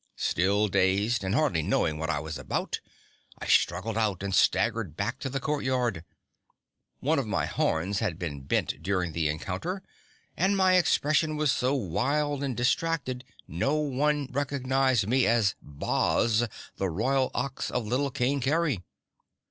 Still dazed and hardly knowing what I was about, I struggled out and staggered back to the courtyard. One of my horns had been bent during the encounter and my expression was so wild and distracted no one recognized me as BOZ, the Royal Ox of Little King Kerry.